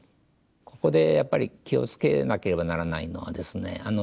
ここでやっぱり気を付けなければならないのはですね